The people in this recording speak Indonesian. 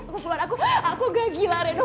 bapak aku keluar aku gak gila reno